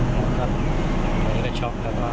ผมก็ชอบครับว่า